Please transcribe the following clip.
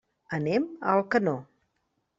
Anem a Alcanó.